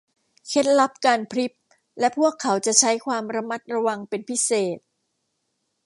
เคล็ดลับการพริบและพวกเขาจะใช้ความระมัดระวังเป็นพิเศษ